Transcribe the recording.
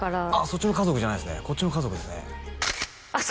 そっちの家族じゃないですねこっちの家族ですねあっ